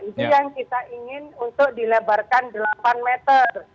itu yang kita ingin untuk dilebarkan delapan meter